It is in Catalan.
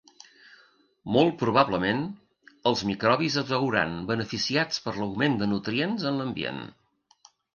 Molt probablement, els microbis es veuran beneficiats per l'augment de nutrients en l'ambient.